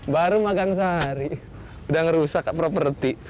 baru magang sari udah ngerusak properti